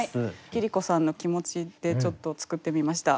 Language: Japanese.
桐子さんの気持ちでちょっと作ってみました。